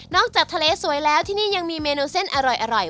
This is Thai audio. จากทะเลสวยแล้วที่นี่ยังมีเมนูเส้นอร่อย